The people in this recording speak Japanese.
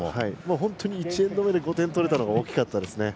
本当に１エンド５点取れたのが大きかったですね。